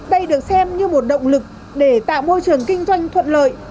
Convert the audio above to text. đây được xem như một động lực để tạo môi trường kinh doanh thuận lợi